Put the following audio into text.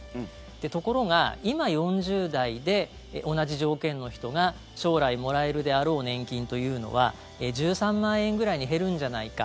ところが今、４０代で同じ条件の人が将来もらえるであろう年金というのは１３万円くらいに減るんじゃないか。